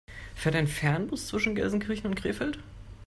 Fährt ein Fernbus zwischen Gelsenkirchen und Krefeld?